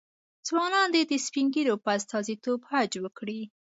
ځوانان دې د سپین ږیرو په استازیتوب حج وکړي.